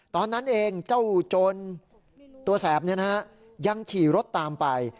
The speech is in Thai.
ตอนนั้นเองเจ้าโจรตัวแสบยังขี่รถตามไป